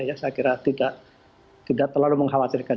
saya kira tidak terlalu mengkhawatirkan